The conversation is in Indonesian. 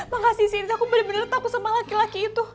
makasih sini aku bener bener takut sama laki laki itu